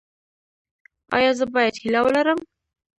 ایا زه باید هیله ولرم؟